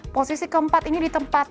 posisi keempat ini di tempat